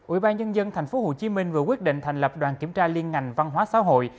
ủy ban nhân dân tp hcm vừa quyết định thành lập đoàn kiểm tra liên ngành văn hóa xã hội